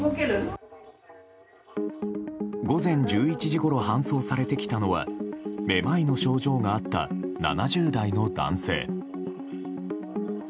午前１１時ごろ搬送されてきたのはめまいの症状があった７０代の男性。